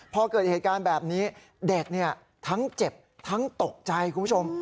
พอเกิดเหตุการณ์แบบนี้เด็กทั้งเจ็บทั้งตกใจคุณผู้ชม